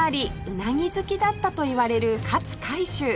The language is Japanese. うなぎ好きだったといわれる勝海舟